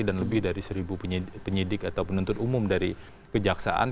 dan lebih dari seribu penyidik atau penuntut umum dari kejaksaan